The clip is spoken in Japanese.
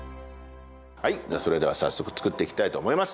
はいそれでは早速作っていきたいと思います。